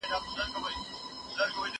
سبزېجات د مور له خوا جمع کيږي!